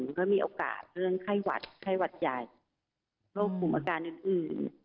ก็มีโอกาสเรื่องไข้หวัดไข้หวัดใหญ่โรคภูมิอาการอื่น